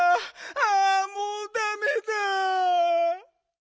ああもうダメだ。